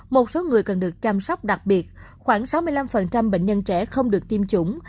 một số người cần được chăm sóc đặc biệt khoảng sáu mươi năm bệnh nhân trẻ không được tiêm chủng